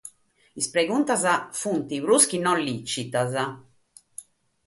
Is pregontas sunt prus chi non lìtzitas.